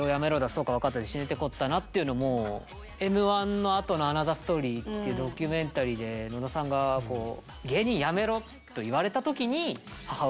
そうか分かったぜ死ねってこったな？」っていうのもＭ−１のあとのアナザーストーリーっていうドキュメンタリーで野田さんが「芸人やめろ」と言われた時に母親に返したと。